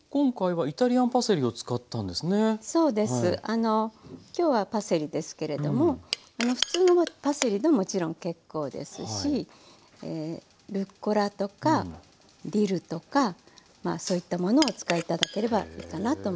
あの今日はパセリですけれども普通のパセリでももちろん結構ですしルッコラとかディルとかまあそういったものをお使い頂ければいいかなと思います。